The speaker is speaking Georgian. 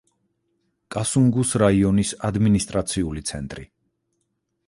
კასუნგუს რაიონის ადმინისტრაციული ცენტრი.